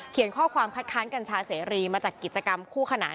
ข้อความคัดค้านกัญชาเสรีมาจัดกิจกรรมคู่ขนาน